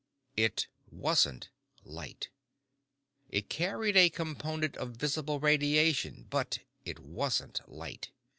It wasn't light. It carried a component of visible radiation but it wasn't light.